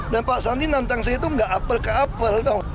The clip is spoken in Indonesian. dan pak sandi nantang saya itu nggak apel ke apel dong